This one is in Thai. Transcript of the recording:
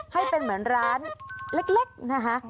ให้เป็นเหมือนร้านเล็กนะคะ